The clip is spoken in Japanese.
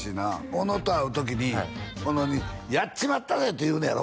小野と会う時に小野に「やっちまったぜ！」って言うねやろ？